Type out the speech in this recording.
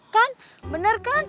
kan bener kan